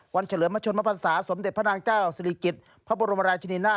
เฉลิมชนมพันศาสมเด็จพระนางเจ้าศิริกิจพระบรมราชินีนาฏ